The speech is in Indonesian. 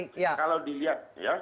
kalau dilihat ya